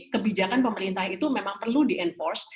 kebijakan pemerintah itu memang perlu di enforce